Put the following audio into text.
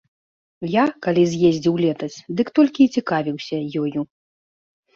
Я, калі з'ездзіў летась, дык толькі і цікавіўся ёю.